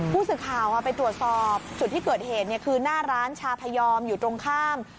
ผู้สื่อข่าวไปตรวจสอบจุดที่เกิดเหตุคือหน้าร้านชาพยอมอยู่ตรงข้าม